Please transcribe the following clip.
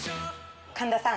神田さん。